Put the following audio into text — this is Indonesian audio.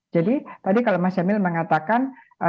jadi tadi kalau mas yamil mengatakan